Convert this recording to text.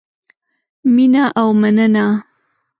مینه او مننه